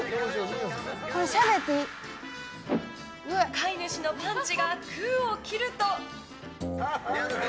飼い主のパンチが空を切ると。